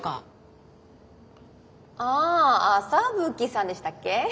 あ麻吹さんでしたっけ？